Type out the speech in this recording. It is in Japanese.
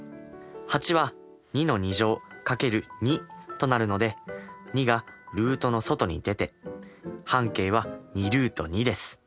８は２×２となるので２がルートの外に出て半径は２ルート２です。